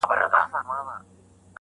د غلام حیدرخان کره ورغلو.